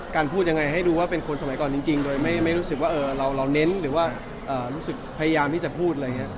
พูดยังไงให้ดูว่าเป็นคนสมัยก่อนจริงโดยไม่รู้สึกว่าเราเน้นหรือว่ารู้สึกพยายามที่จะพูดอะไรอย่างนี้